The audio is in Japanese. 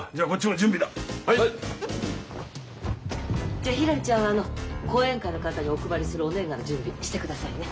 じゃあひらりちゃんはあの後援会の方にお配りするお年賀の準備してくださいね。